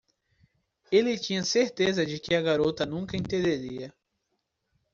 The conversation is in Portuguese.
Ele tinha certeza de que a garota nunca entenderia.